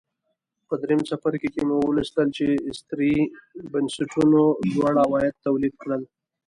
په درېیم څپرکي کې مو ولوستل چې استثري بنسټونو لوړ عواید تولید کړل